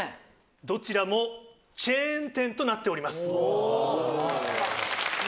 どちらもチェーン店となっております。